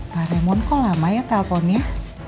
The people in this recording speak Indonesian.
pak remon kok lama ya telponnya